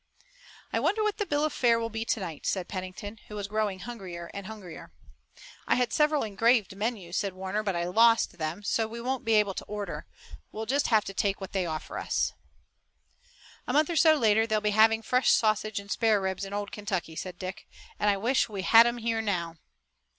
"I wonder what the bill of fare will be tonight," said Pennington, who was growing hungrier and hungrier. "I had several engraved menus," said Warner, "but I lost them, and so we won't be able to order. We'll just have to take what they offer us." "A month or so later they'll be having fresh sausage and spare ribs in old Kentucky," said Dick, "and I wish we had 'em here now."